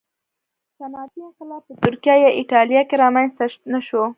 صنعتي انقلاب په ترکیه یا اېټالیا کې رامنځته نه شو